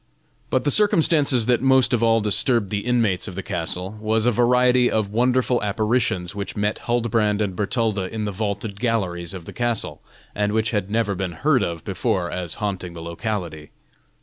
But the circumstance that most of all disturbed the inmates of the castle, was a variety of wonderful apparitions which met Huldbrand and Bertalda in the vaulted galleries of the castle, and which had never been heard of before as haunting the locality.